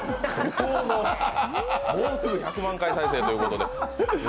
もうすぐ１００万回再生ということです。